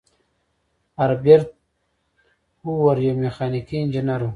هربرت هوور یو میخانیکي انجینر و.